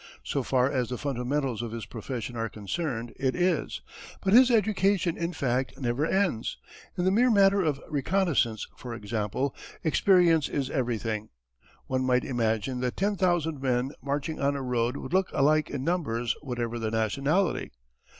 So far as the fundamentals of his profession are concerned it is. But his education in fact never ends. In the mere matter of reconnaissance, for example, experience is everything. One might imagine that ten thousand men marching on a road would look alike in numbers whatever the nationality.